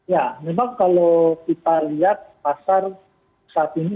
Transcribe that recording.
ya memang kalau kita lihat pasar saat ini